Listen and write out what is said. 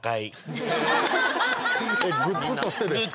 グッズとしてですか？